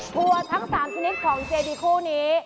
ถั่วทั้ง๓ชนิดของเจดีย์คู่นี้